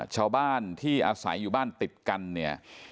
ชาวบ้านที่อาศัยอยู่บ้านติดกันเนี่ย